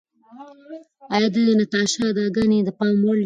ایا د ناتاشا اداګانې د پام وړ وې؟